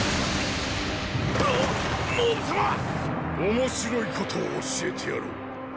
面白いことを教えてやろう。